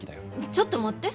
ちょっと待って。